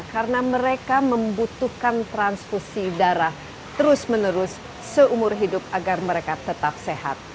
karena mereka membutuhkan transfusi darah terus menerus seumur hidup agar mereka tetap sehat